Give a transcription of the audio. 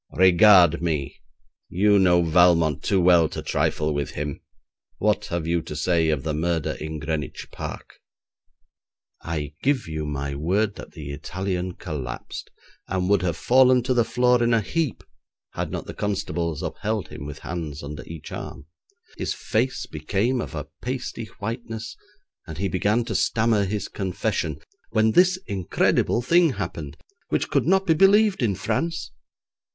Regard me! You know Valmont too well to trifle with him! What have you to say of the murder in Greenwich Park?' I give you my word that the Italian collapsed, and would have fallen to the floor in a heap had not the constables upheld him with hands under each arm. His face became of a pasty whiteness, and he began to stammer his confession, when this incredible thing happened, which could not be believed in France.